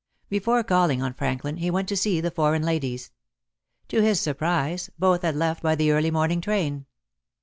Before calling on Franklin he went to see the foreign ladies. To his surprise both had left by the early morning train.